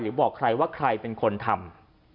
บอกใครว่าใครเป็นคนทำ